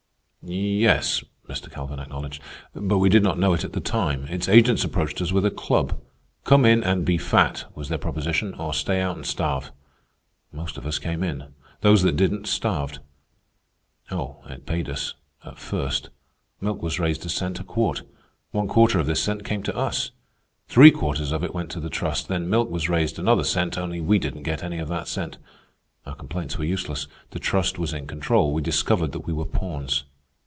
"Yes," Mr. Calvin acknowledged. "But we did not know it at the time. Its agents approached us with a club. "Come in and be fat," was their proposition, "or stay out and starve." Most of us came in. Those that didn't, starved. Oh, it paid us ... at first. Milk was raised a cent a quart. One quarter of this cent came to us. Three quarters of it went to the Trust. Then milk was raised another cent, only we didn't get any of that cent. Our complaints were useless. The Trust was in control. We discovered that we were pawns.